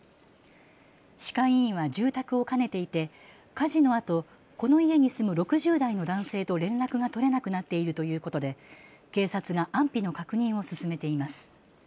歯科医院は住宅を兼ねていて火事のあとこの家に住む６０代の男性と連絡が取れなくなっているということで警察が安否の確認を進めています。